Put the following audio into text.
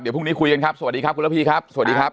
พรุ่งนี้คุยกันครับสวัสดีครับคุณระพีครับสวัสดีครับ